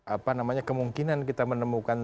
apa namanya kemungkinan kita menemukan